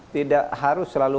tidak harus selalu